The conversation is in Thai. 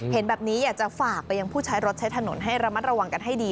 เห็นแบบนี้อยากจะฝากไปยังผู้ใช้รถใช้ถนนให้ระมัดระวังกันให้ดี